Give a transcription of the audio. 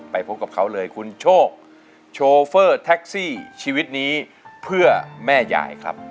พบกับเขาเลยคุณโชคโชเฟอร์แท็กซี่ชีวิตนี้เพื่อแม่ยายครับ